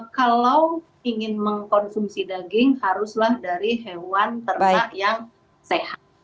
kalau ingin mengkonsumsi daging haruslah dari hewan ternak yang sehat